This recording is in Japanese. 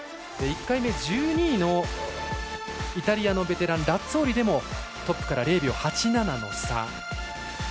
１回目、１２位のイタリアのベテランラッツォーリでもトップから０秒８７の差。